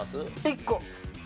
１個。